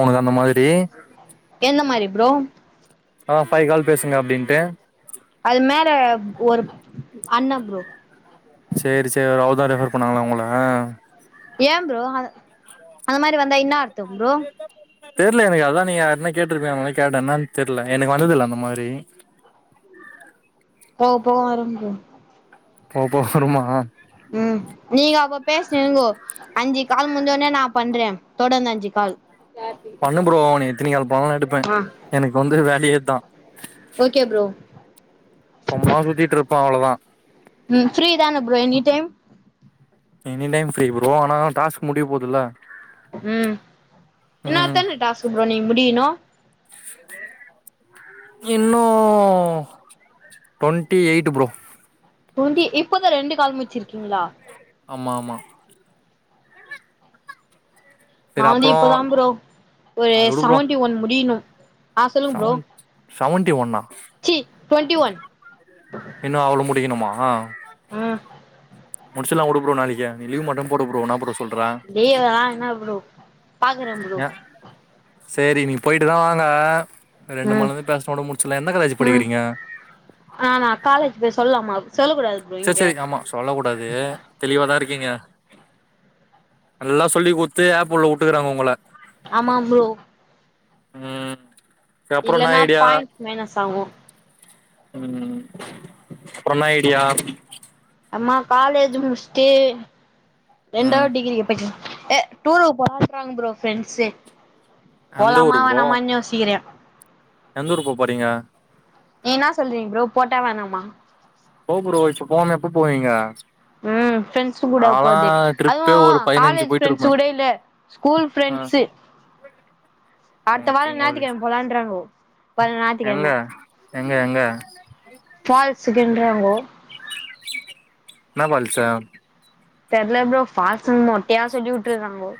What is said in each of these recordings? அவனுக்கு அந்த மாதிரி எந்த மாதிரி ப்ரோ ஆ ஃபைவ் கால் பேசுங்க அப்டின்ட்டு அது மேல ஒரு அண்ண ப்ரோ செரி செரி அவர் தா ரெஃபர் பண்ணாங்களா உங்கள ஏ ப்ரோ அந்த மாரி வந்தா இன்னா [inaudible] தெர்ல எனக்கு அதா நீங்கயார்ட்டுனா கேட்ருப்பீங்கனாலா கேட்டே என்னான் தெர்ல எனக்கு வந்ததில்ல அந்த மாரி போக போக வருந்து போகப் போக வரும்மா ம் நீங்க அப்ப பேசினீங்கோ அஞ்சு கால் முஞ்சோனே நா பண்றே தொடர்ந்து அஞ்சு கால் பண்ணு ப்ரோ நீ எத்தனி கால் பண்ணாலும் நா எடுப்பே ஆ எனக்கு வந்து வேலையே இத்தா ஓகே ப்ரோ சும்மா சுத்திட்ரிப்போ அவ்ளதா ம் ஃப்ரீ தானே bro any time any time free bro ஆன என்ன டாஸ்க் முடிய போதுல்ல ம் இன்னொ எத்தன டாஸ்க் ப்ரோ நீங்க முடிக்கணு இ இன்னு ட்வெண்ட்டி எயிட் ப்ரோ பூண்டி இப்பதா ரெண்டு கால் முச்சிருக்கீங்களா ஆமா ஆமா செரி நானு அப்றோ இப்பதா ப்ரோ ஒரு அது உடு ப்ரோ செவன்டி ஒன் முடியணு ஆ சொல்லுங்க ப்ரோ செவன் செவன்ட்டி ஒன்னா சி டவெண்ட்டி ஒன் இன்னு அவ்வளொ முடிக்கணுமா ம் முடிச்சர்ல்லா வுடு ப்ரோ நாளைக்கே நீ லீவ் மட்டு போடு ப்ரோ நா அப்றோ சொல்றே லீவ்வா என்ன ப்ரோ பாக்குறே ப்ரோ ஏ சேரி நீங்க போயிட்டு தா வாங்க ரெண்டு ம் மள்ல இருந்து பேசனோட முடிச்சடலா எந்த காலேஜூ ம் படிக்கிறீங்க ஆ நா காலேஜ் பேர் சொல்லாமா சொல்லக் கூடாது ப்ரோ செரி இங்க செரி ஆமா சொல்ல கூடாது தெளிவாதா இருக்கீங்க நல்லா சொல்லி கொத்து ஆப்குள்ள விட்டுக்குறாங்க உங்கள ஆமாம் ப்ரோ உம் இல்லன்னா பாயிண்ட் மைனஸ் ஆகு ம் அப்றன்ன ஐடியா அம்மா காலேஜு முட்ச்சுட்டு ம் ரெண்டாவது டிகிரி எப்படிக்க ஏ டூரு போலாங்ற ப்ரோ ஃரெண்ட்ஸூ எந்த ஊரு ப்ரோ யோசிகிறே எந்த ஊர் போ போறீங்க நீன்னா சொல்றீங்க ப்ரோ போட்டா வேணாமா போ ப்ரோச் இப்ப போகாம எப்போ போவீங்க உம் ப்ரெண்ட்ஸ் கூட நாலா போது அதுவு ட்ரிப்பே ஒரு பதினஞ்சு காலேஜ் பிரெண்ட்ஸ் போயிட்ருப்பே கூட இல்ல ஸ்கூல் ஆ ஃப்ரெண்ட்ஸு [unintelligible] அட்த்த ஓகே வாரொ உங்களுக்கு ஞாத்திக்கெழம போலான்றாங்கோ போன ஞாத்து எங்க கெழம எங்க எங்க ஃபால்ஸ் இக்குன்றாங்கோ என்னா ஃபால்ஸூ தெர்ல ப்ரோ ஃபால்ஷுனு மொட்டையா சொல்லி வுட்ருக்காங்கோ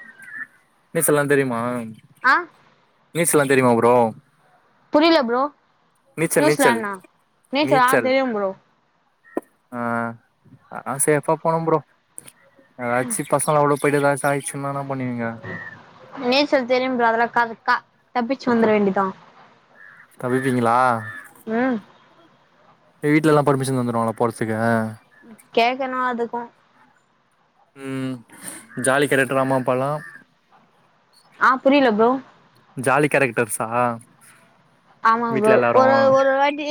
நீச்சல்லா தெரியுமா ஆ நீசல்லா தெரிமா ப்ரோ புரில ப்ரோ நீச்சல் நீச்சல் நியூசிலாண்ட்னா நீச்சலா ஆ நீச்சல் தெரியு ப்ரோ ஆ அலா ஸேஃப்பா போனு ப்ரோ எதாச்சு பசங்க அவ்ளோ போய்ட்டு எதாச்சு ஆயிச்சுன்னா என்ன பண்ணுவீங்க நீச்சல் தெரியு ப்ரோ அதெல்லா கதுக்கா தப்பிச்சு வந்துர வேண்டிதா தப்பீங்களா ம் [inaudible] வீட்லலா பர்மிஷன் தந்துடுவாங்களா போறதுதுக்கு கேக்கனு அதுக்கு ம் ஜாலி கேரெக்ட்ரா அம்மாப்பாலா ஆ புரில ப்ரோ ஜாலி கேரக்டர்ஸ்ஸா ஆமா ப்ரோ ஒரு ஒரு வாட்டி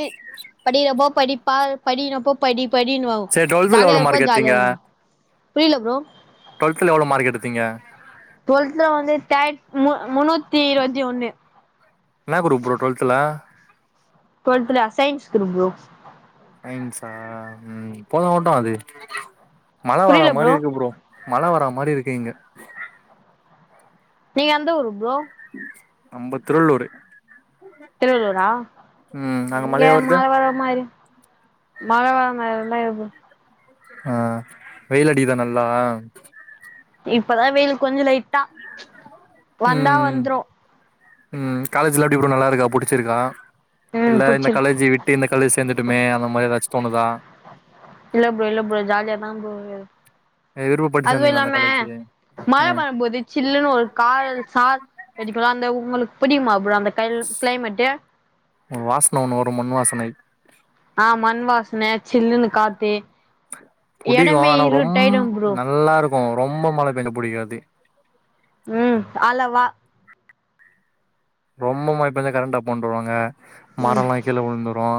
படிக்றப்போ படிப்பா படினப்போ படி படினுவா சேரி டுவெல்த்ல எவ்ளோ ஜாலியாருப்ப மார்க் எடுத்தீங்க ஜாலியாரு புரில ப்ரோ ட்வெல்த்துல எவ்ளோ மார்க் எடுத்தீங்க ட்வெல்த்துல வந்து தே மு முன்னூத்தி இருவத்தி ஒன்னு என்னா குரூப் ப்ரோ ட்வெல்த்துல ட்வெல்த்துலயா சைன்ஸ் குரூப் ப்ரோ சைன்ஸ்ஸா ம் போன ஓட்டோ அது மழ வர மாரி இருக்கு ப்ரோ மழ வர மாரி இருக்கு இங்க நீங்க எந்த ஊரு ப்ரோ நம்ப திருவள்ளூரு திருவள்ளூரா ம் அங்க இங்க மழையா வருது மழ வர மாரி மழ வர மாரிலால்ல ப்ரோ ஆ வெயில் அடிக்கிதா நல்லா இப்பதா வெயில் கொஞ்சோ லைட்டா வந்தா ம் வந்த்ரு ம் காலேஜ்லா எப்டி ப்ரோ நல்லாருக்கா புடிச்சிருக்கா இல்ல ம் இந்த புடிச்சிரு காலேஜு வி ட்டு இந்த காலேஜ் சேந்துட்டமே அந்த மாரி எதாச்சு தோனுதா இல்ல ப்ரோ இல்ல ப்ரோ ஜாலியா தா ப்ரோ விருப்பப்பட்டு அதுவு சேந்தீங்களா அந்த இல்லாம காலேஜு மழ ம் வரம்போது சில்லுனு ஒரு கா சார் அடிக்குல அந்த உங்களுக்கு புடிக்குமா ப்ரோ அந்த கள் கிளைமெட்டு வாசன ஒன்னு வரு மண் வாசனை ஆ மண் வாசன சில்லுனு காத்து புடிக்கு எடமே ஆனா ரொம் இருட்டாயிடு ப்ரோ நல்லாருக்கு ரொம்ப மழ பேஞ்சோ புடிக்காது ம் அளவா ரொம்ப மழ பேஞ்சா கரண்ட்டாப் பண்ருவாங்க ம் மரோலா கீழ வுழ்ந்துரு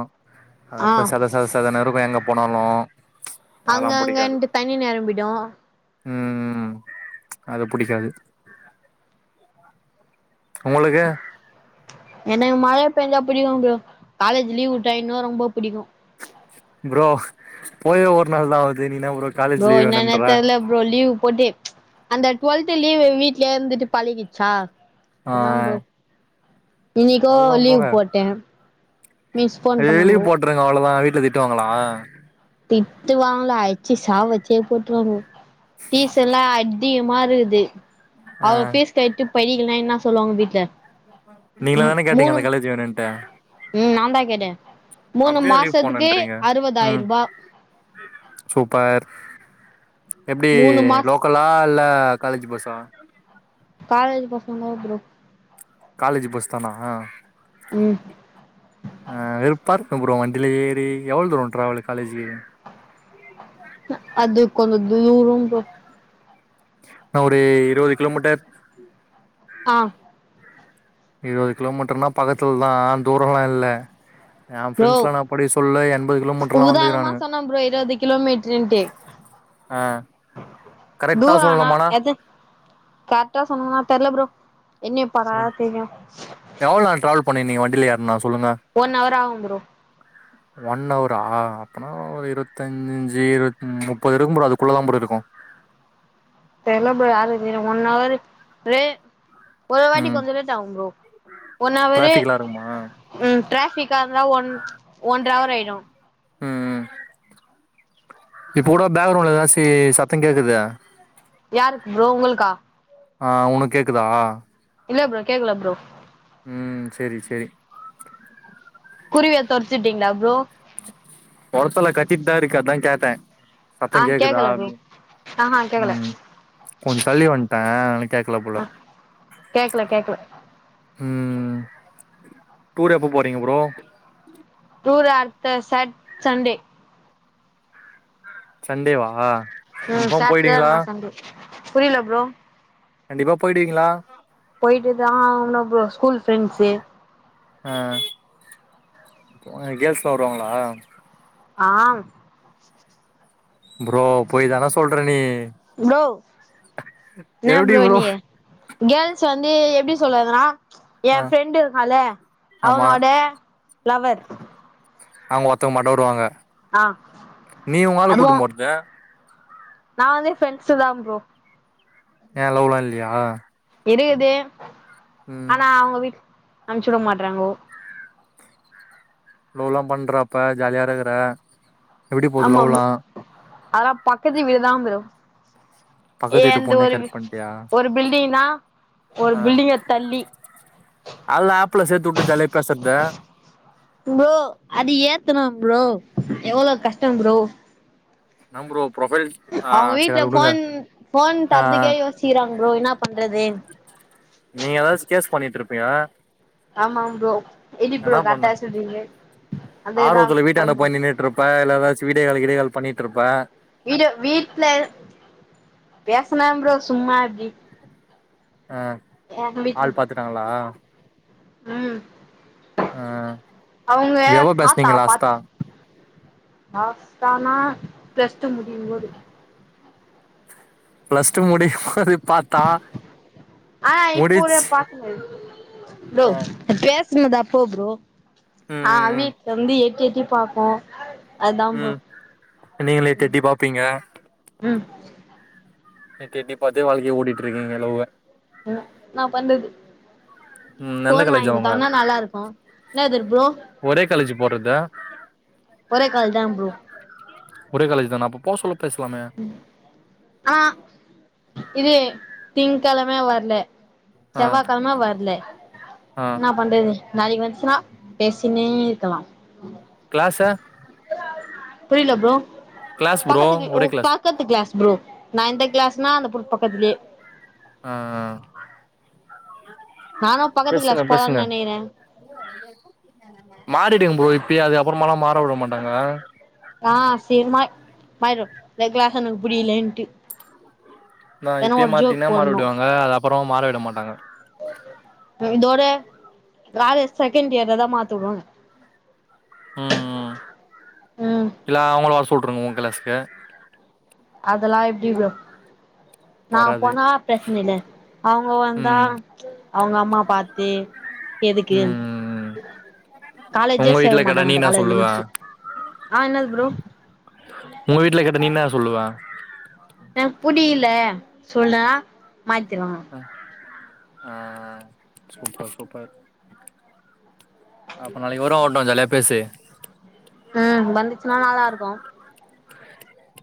ஆ அதுப்ப சத சத சதனு இருக்கு எங்க போனாலு அதெல்லா அங்க புடிக்காது அங்கன்ட்டு தண்ணி நெரம்பிடு ம் ம் அது புடிக்காது உங்களுக்கு எனக்கு மழ பேஞ்சா புடிக்கு ப்ரோ காலேஜு லீவ் வுட்டா இன்னு ரொம்ப புடிக்கு ப்ரோ போயே ஒர் நாள் தா ஆவுது நீ ன்னா ப்ரோ காலேஜ் ப்ரோ லீவ் என்னன்னே வேணுன்ற தெர்லப் ப்ரோ லீவு போட்டு அந்த டுவெல்த் லீவு வீட்லே இருந்துட்டு பழகிச்சா ஆ அதா ப்ரோ இன்னைக்கு அவ்ளோதா லீவ் போட்டே மிஸ் ஃபோன் டெய்லியு பண்ணாங்கோ போட்டுருங்க அவ்ளதா வீட்ல திட்டுவாங்ள திட்டு வாங்கலா அடிச்சு சாவச்சே போட்டுருவாங்க பீஸ்சல்லா அதிகமா இருக்குது ஆ அவ பீஸ் கட்டு படிக்லனா என்ன சொல்லுவாங்க வீட்ல மூ நீங்களே தான கேட்டீங்க அந்த மூணும் காலேஜ் வேணுன்ட்டு நாதா கேட்டே மூணு அப்பயு லீவ் மாசத்துக்கு போணுன்றீங்க ம் அறுபதாயிருப சூப்பர் எப்டி மூணு மாஸ் லோக் கலா இல்ல காலேஜ் பஸ்சா காலேஜ் பசங்கதா ப்ரோ காலேஜ் பஸ் தானா ம் ஆ வெறுப்பா இருக்கு ப்ரோ வண்டியில எவ்ள தூர ட்ரவல்லு காலேஜூக்கு அது கொஞ்ச தூரம் ப்ரோ என்ன ஒரு இருவது கிலோமீட்டர் ஆ இருவது கிலோமீட்டர்னா பக்கத்துலதா தூரல்லா இல்ல எ ப்ரோ ஃப்ரெண்ட்ஸ்ல்லா நா படிக்க சொல்ல எண்பது கிலோமீட்டர்ல்லா உதாரணமா வந்துக்கிறானுங்க சொன்ன ப்ரோ இருவது கிலோமீட்டருன்ட்டு ஆ கரக்டா சொல்லணுமான கர்க்டா சொல்லனும்னா தெர்ல ப்ரோ என்ன பரா ஒரு தெரியு எவ்ளோ நேர ட்ரவல் பண்ணிந்தீங்க வண்டில ஏற்னா சொல்லுங்க ஒன் அவர் அவும் ப்ரோ ஒன் அவரா அப்பனா ஒரு இருவத்தஞ்ச்சு இருமு முப்பது இருக்கு ப்ரோ அதுக்குள்ள தா ப்ரோ இருக்கு தெர்ல ப்ரோ யாரு இது ஒன் அவர்க் வே ஒரு வாட்டி ம் கொஞ்ச லேட்டா ஆவு ப்ரோ ஒன் அவரு டிராஃபிக்லா இருக்குமா ம் டிராபிக்காக இருந்தா ஒன் ஒன்ற அவர் ஆயிடு ம் இப்பகூட பேக்ரவுண்ட்ல ஏதாச்சி சத்தக் கேக்குது யாருக்கு ப்ரோ உங்களுக்கா ஆ உனக் கேக்குதா இல்ல ப்ரோ கேக்கல ப்ரோ ம் செரி செரி குருவிய தொறத்திட்டீங்ளா ப்ரோ தொரத்தல கத்திட்டுதா இருக்கு அத கேட்டே சத்த ஆ கேக்குதா கேக்கல ப்ரோ அப்டி ஆஹா கேக்கல ம் கொஞ்ச தள்ளி வண்ட்டே அத கேக்கல போல ஆ கேக்கல கேக்கல ம் டூர் எப்ப போறீங்க ப்ரோ டூரு அடுத்த சாட் சண்டே சண்டேவா ம் கன்ஃபார்ம் சாட்டரே போயிடுவீங்களா இல்னா சண்டே புரியல ப்ரோ கண்டிப்பா போயிடுவீங்ளா போயிட்டு தா ஆவணு ப்ரோ ஸ்கூல் ஃப்ரெண்ட்ஸ்சு ஆ கேல்ஸ்லா வருவாங்களா ஆ ப்ரோ பொய் தானே சொல்றே நீ ப்ரோ எப்டி ப்ரோ கேர்ள்ஸ வந்து எப்டி சொல்றதுனா எ ஆ ஃப்ரெண்ட் இருக்கான்ல ஆமா அவனோட லவர் அவுங்க ஒருத்தவங்க மட்டு வருவாங்க ஆ நீ உங்காள அதுவு கூட்டு போறது நா வந்து ஃப்ரெண்ட்ஸ் தா ப்ரோ ஏ லவ்லா இல்லையா இருக்குது ம் ஆனா அவுங்க வீட்டு அனுச்சு விட மாட்டறாங்கோ லவ்லா பண்றப்ப ஜாலியா இருக்கற எப்டி போது ஆமா ஆமா லவ்லா ஆனா பக்கத்து வீடுதா ப்ரோ பக்கத்து வீட்டு ஏந்து பொண்ணே ஒரு கரெக்ட் பண்ட்டியா ஒரு பில்டிங்னா ஒரு ஆ பில்டிங்க தள்ளி அல்ல ஆப்புல சேத்து உட்டு ஜாலியா பேசுறது ப்ரோ அது ஏத்தனு ப்ரோ எவ்வளோ கஷ்டம் ப்ரோ என்ன ப்ரோ ப்ரொஃபைல்ஸ் அவுங்க வீட்டு்ல ஃபோன் ஃபோன் ஆ தந்துக்கே யோசிக்கிறாங்க ப்ரோ என்ன பண்றது நீங்க எதாச்சு கேஸ் பண்ணிட்டு இருப்பீய ஆமா ப்ரோ எடி ப்ரோ பண்ண கரத்தா சொல்லீங்க ஆர்வத்துல வீட்ட எனா பண்ணின்னிட்டு இருப்ப எல்லதாச்சு வீடியோ கால் கீடீயோ கால் பண்ணிட்டு இருப்பே வீடியோ வீட்டுல பேசுன ப்ரோ சும்மா அப்டி ஆ வீட்ல ஆள் பாத்துட்டாங்களா ம் ஆ அவுங்க எவ்ளோ தாத்தா பேசுனீங்க பா லாஸ்ட்டா லாஸ்ட்டானா பிளஸ் டூ முடியும்போது பிளஸ் டூ முடியும்போது பாத்தா ஆ இப்போ ஒரு முடிச்சு பாத்துங்க ப்ரோ ம் பேசனதா அப்போ ப்ரோ ஆ ம் வீட்டுல வந்து எட்டி எட்டி பாப்போ அதா ப்ரோ ம் நீங்களு எட்டி ம் எட்டி பாப்பீங்க ம் எட்டி எட்டி பாத்தே வாழ்க்கைய ஓட்டிட்டு இருக்கீங்க லவ்வ ஆ நா பண்றது ம் எந்த ஃபோன் வாங்கி காலேஜ் அவங்க குடுத்தாங்கன்னா நல்லா இருக்கு என்னது ப்ரோ ஒரே காலேஜ் போடுறதா ஒரே காலேஜ் தா ப்ரோ ஒரே காலேஜ் தான அப்ப போ சொல்ல பேசலாமே ஆ இது திங்க்கெழமே வரல ஆ செவ்வாய்கெழம வரல ஆ என்ன பண்றது நாளைக்கு வந்ச்சுன்னா பேசினே இருக்கலா கிளாஸ புரிலே ப்ரோ கிளாஸ் ப்ரோ பக்கத்துக்கு ஓ ஒரே கிளாஸ் பக்கத்து கிளாஸ் ப்ரோ ந இன்த கிளாஸ்ன்னா அந்த பு பக்கத்துலயே ஆ நானு பக்கத்து பேசுங்க க்ளாஸ் போலான் பேசுங்க நெனைக்கிற மாறிடுங்க ப்ரோ இப்பியே அதுக்கப்றமாலா மாற உட மாட்டாங்க ஆ சிக்ரமா மாறிரு இந்த க்ளாஸ் எனக்கு புடிக்லேன்ட்டு நா இப்பேய மாட்டின்னா போடணு மாறவிடுவாங்க அது அப்புறோ மாற விட மாட்டாங்க [unintelligible] தோட காலேஜ் செகண்ட் இயர்ல தா மாத்திவுவாங்க ம் ம் ம் இல்ல அவ்ங்கள வர சொல்ட்டுருங்க உங்க க்ளாஸ்க்கு அதெல்லா எப்டி ப்ரோ நா வராது போனா பிரச்ன இல்ல அவ்ங்க வந்தா ம் அவ்ங்க அம்மா பாத்து எதுக்கு ம் ம் காலேஜே உங்க சேர வீட்ல கேட்டா மாட்டாங்க நீ அந்த என்னா காலேஜ் சொல்லுவ முடிச்ட்டு ஆ என்னது ப்ரோ உங்க வீட்ல கேட்டா நீ என்ன சொல்லுவ எனக்கு புடியில்ல சொன்னா மாத்தி தருவாங் ஆ சூப்பர் சூப்பர் அப்ப நாளைக்கு வருவா அவன்ட்ட ஜாலியா பேசு ம் வந்துச்னா நல்லாருக்கு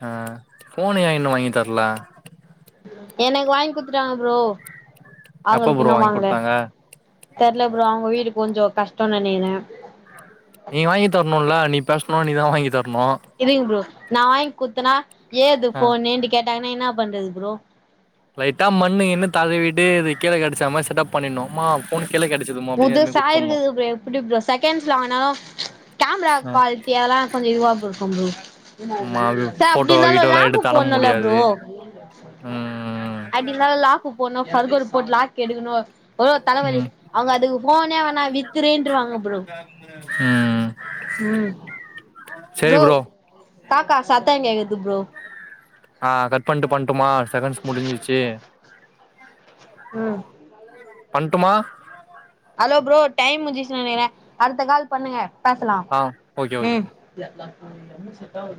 ஆ ஃபோனு ஏ இன்னு வாங்கி தர்ல எனக்கு வாங்கி குத்துட்டாங்க ஃப்ரோ எப்ப அவங்களுக்கு ப்ரோ இன்னு வாங்கி வாங்கல குடுத்தாங்க தெர்ல ப்ரோ அவ்ங்க வீடு கொஞ்சோ கஷ்டோனு நெனைக்றே நீ வாங்கி தர்ணுல்ல நீ பேஸ்ணு நீ தா வாங்கி தர்ணு இருங்க ப்ரோ நா வாங்கி குத்தனா ஏது ஆ ஃபோனுன்டு கேட்டாங்கன்னா என்னா பண்றது ப்ரோ லைட்டா மண்ணுங்கின்னு தடவிட்டு இது கீழே கெடச்ச மாரி செட்டாப் பண்ணிணுமாம் ஃபோனு கீழ கெடச்சதுமோ அப்டின்னு எடுத்து போய் குட்துண்ணு இப்டி ஃப்ரோ செகண்ட்ஸ் வாங்னாதா கேமரா ஆ குவாலிட்டி அதெல்லா கொஞ்ச இதுவா போ ஆமா அது ச ஃபோட்டோ அப்டிர்ந்தாலு கீட்டோலா எடுத்து லாபுக்கு அனுப்ப போன்னுல்ல ப்ரோ முடியாது ம் அப்டி மேல லாக்கு போட்ணு பர்கர் போட் லாக் எடுக்கணு எவ்ளோ தலவலி ம் அவ்ங்க அதுக்கு ஃபோனே வேணா வித்துறுன்ருவாங்க ப்ரோ ம் சேரி ப்ரோ காக்கா சத்த கேக்குது ஃப்ரோ ஆ கட் பண்ணிட்டு பண்ட்டுமா செகண்ட்ஸ் முடிஞ்சிச்சு ம் பண்டுமா ஹலோ ஃப்ரோ டைம் முடிஞ்சுச்ச நே எனக்கு அடுத்த கால் பண்ணுங்க பேசலா ஆ ஓகே ஓகே ம் [inaudible] செட்டாவாது